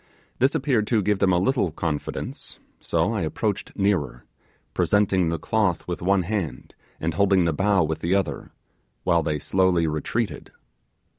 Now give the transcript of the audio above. This appeared to give them a little confidence, so I approached nearer, presenting the cloth with one hand, and holding the bough with the other, while they slowly retreated.